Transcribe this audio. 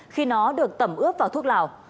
khi nó được tẩm ướp vào thuốc lào